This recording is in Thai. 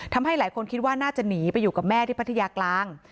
ทำให้หลายคนคิดว่าน่าจะหนีไปอยู่กับแม่ที่พัทยากลาง